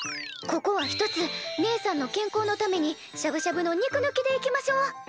ここはひとつねえさんの健康のためにしゃぶしゃぶの肉ぬきでいきましょう！